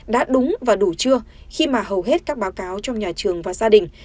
đã đúng và đủ chưa khi mà hầu hết các báo cáo trong nhà trường và gia đình